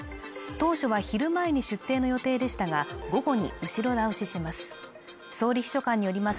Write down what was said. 当初は昼前に出廷の予定でしたが午後に後ろ倒しします